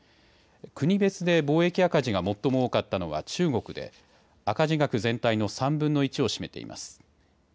国別で貿易赤字が最も多かったのは中国で赤字額全体の３分の１を占めています。